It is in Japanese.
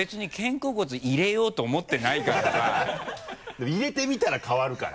でも入れてみたら変わるから。